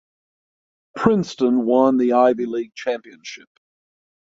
Princeton won the Ivy League championship.